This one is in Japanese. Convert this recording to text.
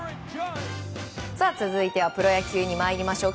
続いてはプロ野球に参りましょう。